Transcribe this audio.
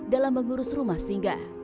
dalam mengurus rumah singga